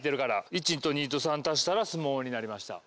１と２と３足したら「すもう」になりました。